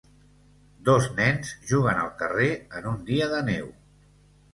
Dos nens juguen al carrer en un dia de neu.